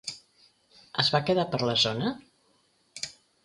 Es va quedar per la zona?